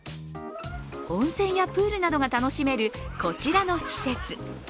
温泉やプールなどが楽しめるこちらの施設。